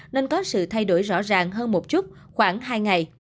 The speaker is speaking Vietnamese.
nên có sự thay đổi rõ ràng hơn một chút khoảng hai ngày